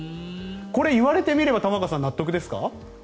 これ、言われてみれば玉川さん、納得ですか？